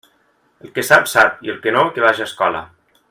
El que sap, sap, i el que no, que vaja a escola.